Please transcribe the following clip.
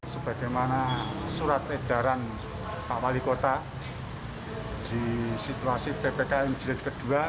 sebagaimana surat edaran pak wali kota di situasi ppkm jilid kedua